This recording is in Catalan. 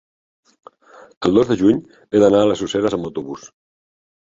El dos de juny he d'anar a les Useres amb autobús.